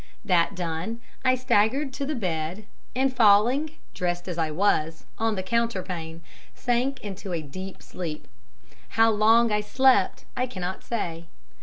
That done, I staggered to the bed, and falling, dressed as I was, on the counterpane, sank into a deep sleep. How long I slept I cannot say.